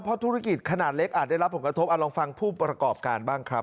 เพราะธุรกิจขนาดเล็กอาจได้รับผลกระทบลองฟังผู้ประกอบการบ้างครับ